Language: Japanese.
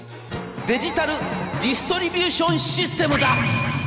デジタル・ディストリビューション・システムだ！』。